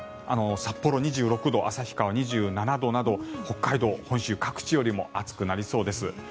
札幌、２６度旭川、２７度など北海道、本州各地よりも暑くなりそうです。